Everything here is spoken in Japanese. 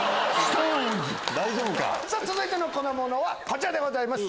続いての粉ものはこちらでございます。